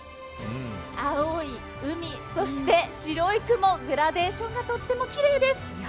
青い海、そして白い雲、グラデーションがとってもきれいです。